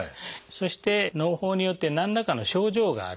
そしてのう胞によって何らかの症状がある。